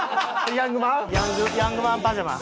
ヤングマンパジャマ。